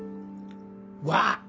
わっ！